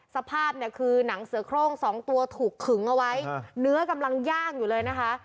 สภาพเนี่ยคือหนังเสือโครงสองตัวถูกขึงเอาไว้เนื้อกำลังย่างอยู่เลยนะคะ